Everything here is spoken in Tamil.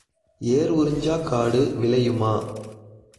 ஏர் உறிஞ்சாக் காடு விளையுமா?